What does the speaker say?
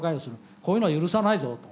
こういうのは許さないぞと。